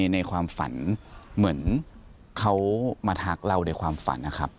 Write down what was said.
ในความฝันเหมือนเขามาทักเราในความฝันนะครับ